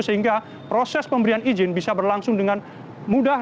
sehingga proses pemberian izin bisa berlangsung dengan mudah